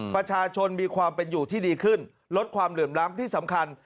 ประชาชนมีความเป็นอยู่ที่ดีขึ้นลดความเหลื่อมล้ำที่สำคัญ